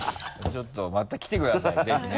ちょっとまた来てくださいぜひね。